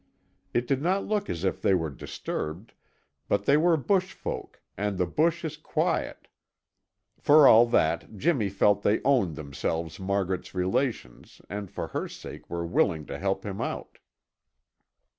It did not look as if they were disturbed, but they were bush folk and the bush is quiet. For all that, Jimmy felt they owned themselves Margaret's relations and for her sake were willing to help him out.